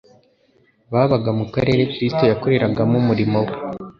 babaga mu karere Kristo yakoreragamo umurimo we;